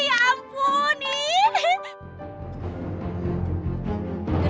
ya ampun nih